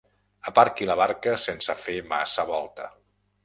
Aparqui la barca sense fer massa volta.